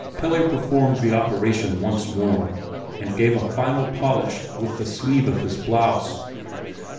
Pelle performed the operation once more, and gave a final polish with the sleeve of his blouse.